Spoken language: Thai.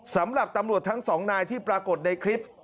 สำหรับตำรวจทั้งสองนายที่ปรากฏในคลิป